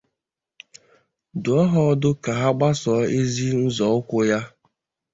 dụọ ha ọdụ ka ha gbasò ezi nzọụkwụ ya